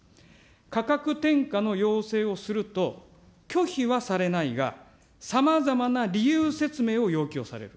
価格転嫁の要請をすると、拒否はされないが、さまざまな理由説明を要求をされる。